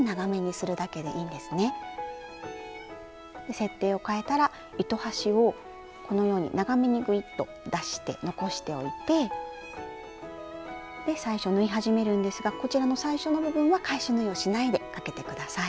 設定を変えたら糸端をこのように長めにグイッと出して残しておいて最初縫い始めるんですがこちらの最初の部分は返し縫いをしないでかけて下さい。